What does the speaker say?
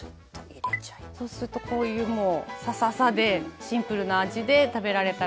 「そうするとこういうもうサササでシンプルな味で食べられたらいいなっていう」